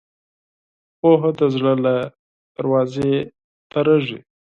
پوهه د زړه له دروازې تېرېږي.